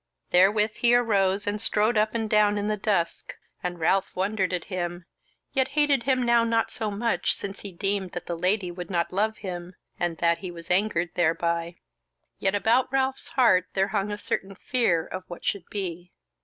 Therewith he arose and strode up and down in the dusk, and Ralph wondered at him, yet hated him now not so much, since he deemed that the Lady would not love him, and that he was angered thereby. Yet about Ralph's heart there hung a certain fear of what should be.